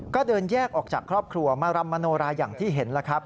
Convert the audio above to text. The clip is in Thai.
ก็เดินแยกออกจากครอบครัวมารำมโนราอย่างที่เห็นแล้วครับ